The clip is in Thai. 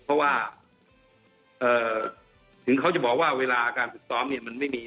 เพราะว่าถึงเขาจะบอกว่าเวลาการฝึกซ้อมเนี่ยมันไม่มี